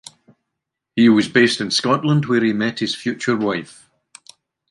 He was based in Scotland where he met his future wife.